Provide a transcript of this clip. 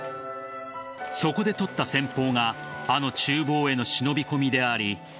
そこでとった戦法があの厨房への忍び込みであり。